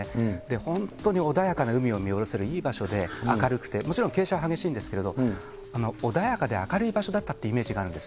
本当に穏やかな海を見下ろせるいい場所で、明るくて、もちろん傾斜は激しいんですけど、穏やかで明るい場所だったっていうイメージがあるんです。